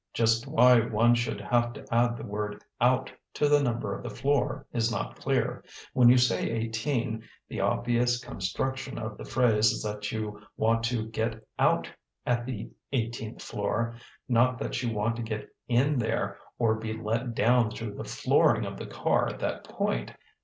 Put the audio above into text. (Just why one should have to add the word "out" to the number of the floor is not clear. When you say "eighteen" the obvious construction of the phrase is that you want to get out at the eighteenth floor, not that you want to get in there or be let down through the flooring of the car at that point.